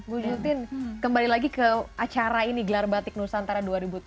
bu jutin kembali lagi ke acara ini gelar batik nusantara dua ribu tujuh belas